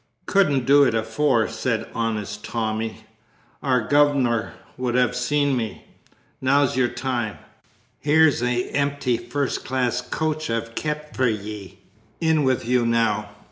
"Couldn't do it afore," said honest Tommy. "Our guv'nor would have seen me. Now's your time. Here's a empty first class coach I've kept for ye. In with you now."